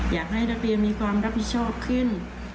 อยากให้นักเรียนมีความรับผิดชอบขึ้น